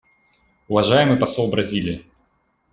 Уважаемый посол Бразилии.